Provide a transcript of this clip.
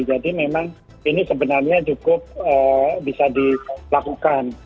jadi memang ini sebenarnya cukup bisa dilakukan